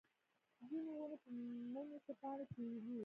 ځینې ونې په مني کې پاڼې تویوي